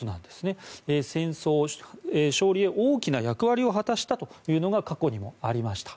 戦争勝利へ大きな役割を果たしたというのが過去にもありました。